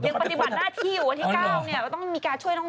ปฏิบัติหน้าที่อยู่วันที่๙เนี่ยก็ต้องมีการช่วยน้อง